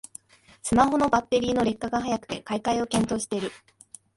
スマホのバッテリーの劣化が早くて買い替えを検討してる